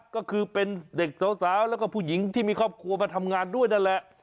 ก็คือเป็นเด็กสาวแล้วก็ผู้หญิงที่มีครอบครัวมาทำงานด้วยนั่นแหละ